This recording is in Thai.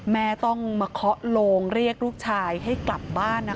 แม่ต้องมาเคาะโลงเรียกลูกชายให้กลับบ้านนะคะ